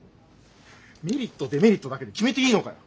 メリットデメリットだけで決めていいのかよ。